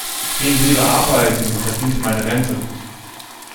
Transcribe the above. Gehen Sie lieber arbeiten und verdienen Sie meine Rente!